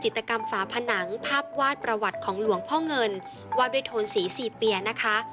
ตกรรมฝาผนังภาพวาดประวัติของหลวงพ่อเงินวาดด้วยโทนสีสี่เปียนะคะ